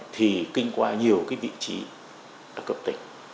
thì kinh qua nhiều vị trí ở cấp tỉnh